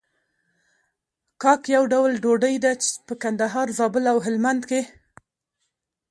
کاک يو ډول ډوډۍ ده په کندهار، زابل او هلمند کې.